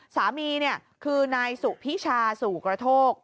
สามีเนี่ยคือนายสุพิชาสุกระโทก